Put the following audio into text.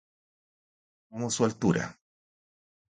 como su altura